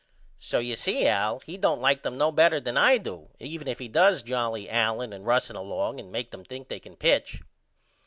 So you see Al he don't like them no better then I do even if he does jolly Allen and Russell along and make them think they can pitch.